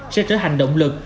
sẽ trở thành động lực